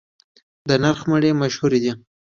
د نرخ مڼې مشهورې دي